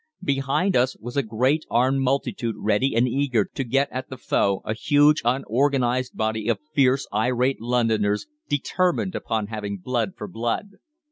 "Behind us was a great armed multitude ready and eager to get at the foe, a huge, unorganised body of fierce, irate Londoners, determined upon having blood for blood.